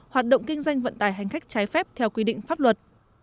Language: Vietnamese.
hoạt động kinh doanh vận tải hành khách trái phép theo quy định pháp luật